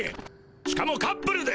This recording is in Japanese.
しかもカップルで。